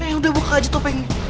eh udah buka aja topengnya